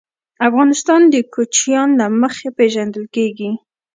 افغانستان د کوچیان له مخې پېژندل کېږي.